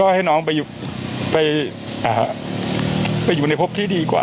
ก็ให้น้องไปไปไปอยู่ในภพที่ดีกว่า